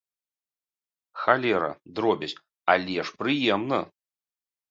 Халера, дробязь, але ж прыемна!